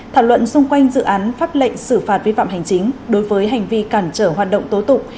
thảo luận xung quanh dự án pháp lệnh xử phạt vi phạm hành chính đối với hành vi cản trở hoạt động tố tụng